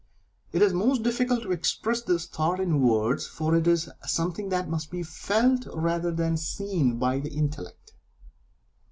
It is most difficult to express this thought in words for it is something that must be felt, rather than seen by the Intellect.